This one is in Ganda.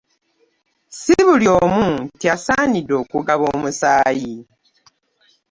Sibuli omu nti asaaniddde okugaba omusaayi .